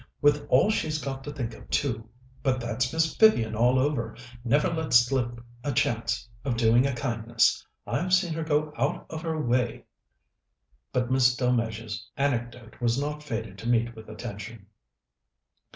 With all she's got to think of, too! But that's Miss Vivian all over. Never lets slip a chance of doing a kindness. I've seen her go out of her way...." But Miss Delmege's anecdote was not fated to meet with attention.